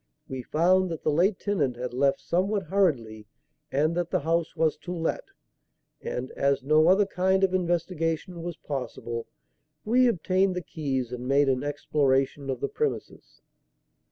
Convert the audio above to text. We found that the late tenant had left somewhat hurriedly and that the house was to let; and, as no other kind of investigation was possible, we obtained the keys and made an exploration of the premises."